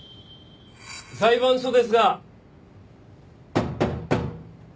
裁判所ですが。